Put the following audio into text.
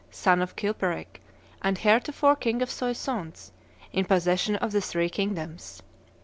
son of Chilperic, and heretofore king of Soissons, in possession of the three kingdoms.